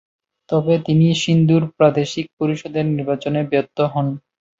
তবে তিনি সিন্ধুর প্রাদেশিক পরিষদের নির্বাচনে ব্যর্থ হন।